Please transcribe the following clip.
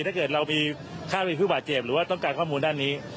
ถ้าเกิดเรามีค่ามีผู้บาดเจ็บหรือว่าต้องการข้อมูลด้านนี้